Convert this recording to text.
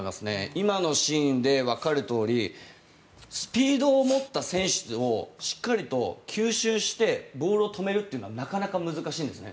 今のシーンでわかるとおりスピードを持った選手をしっかりと吸収してボールを止めるというのはなかなか難しいんです。